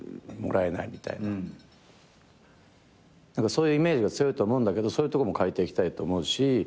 そういうイメージが強いと思うんだけどそういうとこも変えていきたいと思うし。